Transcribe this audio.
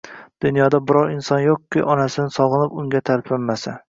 Dunyoda biror inson yo‘qki, Onasini sog‘inib, unga talpinmasa!